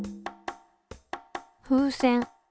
風船。